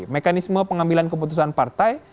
mekanisme pengambilan keputusan partai